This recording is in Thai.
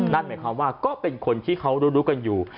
นั่นหมายความว่าก็เป็นคนที่เขารู้กันอยู่